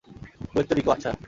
Puerto Rico, আচ্ছা।